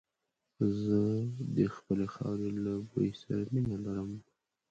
زه د خپلې خاورې له بوی سره مينه لرم.